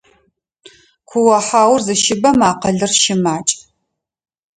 Куо-хьаур зыщыбэм акъылыр щымакӏ.